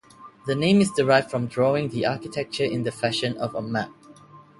The name is derived from drawing the architecture in the fashion of a map.